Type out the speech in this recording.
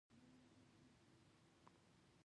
جګړه د هېواد زړه زخمي کوي